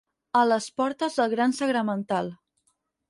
A les portes del gran sagramental.